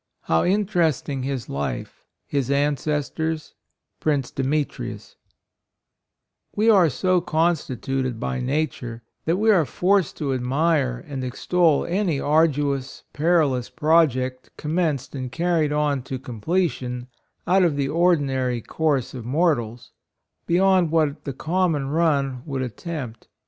rrtetmjj te jjfr — Wis Inwator^ [rtttce fjemdrii$ 3 E are so constituted by Ǥ= nature, that we are forced to admire and ex tol any arduous, perilous project, commenced and car ried on to completion, out of the ordinary course of mortals — beyond what the common run would at tempt.